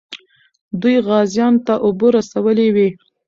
دوی غازیانو ته اوبه رسولې وې.